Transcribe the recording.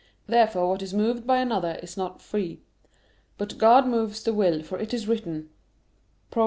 Therefore what is moved by another is not free. But God moves the will, for it is written (Prov.